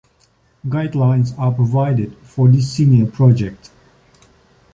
Guidelines are provided for this senior project.